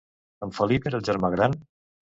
En Felip era el germà gran?